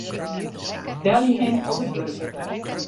Belje him op it wurk.